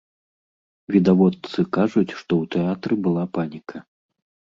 Відавочцы кажуць, што ў тэатры была паніка.